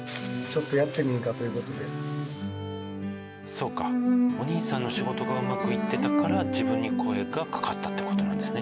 そうかお兄さんの仕事がうまくいってたから自分に声がかかったって事なんですね。